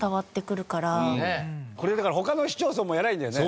これだから他の市町村もやりゃあいいんだよね。